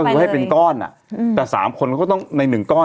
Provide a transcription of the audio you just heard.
ก็คือให้เป็นก้อนแต่๓คนเขาต้องใน๑ก้อน